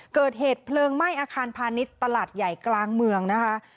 เกิดเหตุเพลิงไหม้อาคารพาณิชย์ตลาดใหญ่กลางเมืองนะคะ